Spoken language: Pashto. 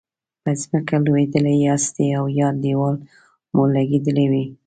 په ځمکه لویدلي یاستئ او یا دیوال مو لګیدلی وي.